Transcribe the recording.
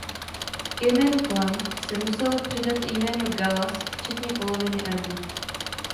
Ke jménu Clam se muselo přidat i jméno Gallas včetně poloviny erbu.